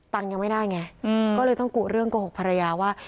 ตังค์ยังไม่ได้ไงอืมก็เลยต้องกลุ่มเรื่องโกหกภรรยาว่า